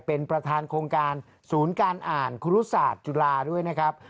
เป็นประธานโครงการศูนย์การอ่านครุศาสตร์จุฬาด้วยนะครับ